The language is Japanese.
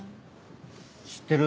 知ってる？